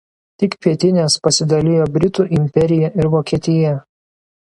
Tik pietinės pasidalijo Britų imperija ir Vokietija.